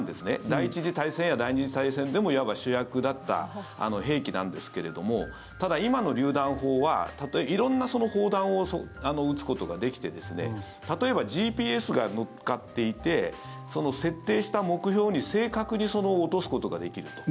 第１次大戦や第２次大戦でもいわば主役だった兵器なんですけれどもただ、今のりゅう弾砲は色んな砲弾を撃つことができて例えば、ＧＰＳが載っかっていて設定した目標に正確に落とすことができると。